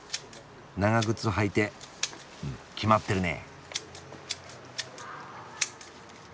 長靴履いてうんキマってるね。